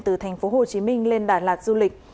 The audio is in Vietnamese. từ thành phố hồ chí minh lên đào sơn hải